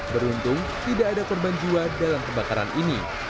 beruntung tidak ada korban jiwa dalam kebakaran ini